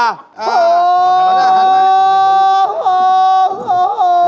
โฮอย